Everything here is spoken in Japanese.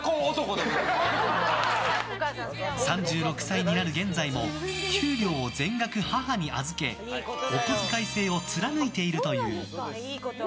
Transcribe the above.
３６歳になる現在も給料を全額母に預けお小遣い制を貫いているという。